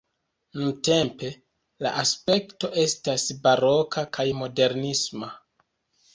Nuntempe la aspekto estas baroka kaj modernisma.